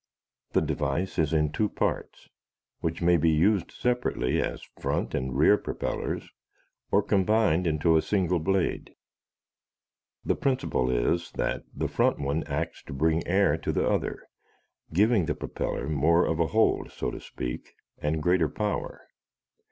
The device is in two parts, which may be used separately as front and rear propellers or combined into a single blade. The principle is that the front one acts to bring air to the other, giving the propeller more of a hold, so to speak, and greater power.